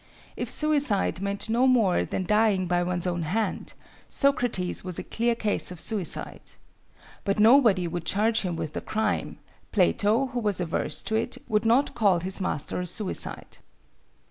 If suicide meant no more than dying by one's own hand, Socrates was a clear case of suicide. But nobody would charge him with the crime; Plato, who was averse to it, would not call his master a suicide.